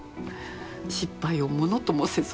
失敗をものともせず。